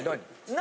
何？